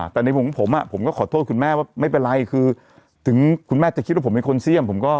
แต่ในมุมของผมผมก็ขอโทษคุณแม่ว่าไม่เป็นไรคือถึงคุณแม่จะคิดว่าผมเป็นคนเสี่ยม